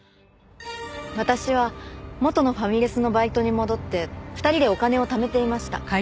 私は元のファミレスのバイトに戻って２人でお金をためていました。